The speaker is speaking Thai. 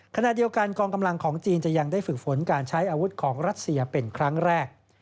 ขณะเดียวกันกองกำลังของจีนจะยังได้ฝึกฝนการใช้อาวุธของรัสเซียเป็นครั้งแรก